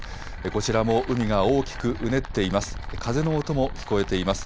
こちらも海が大きくうねっています。